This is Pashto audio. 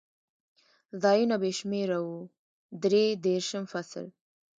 ځایونه بې شمېره و، درې دېرشم فصل.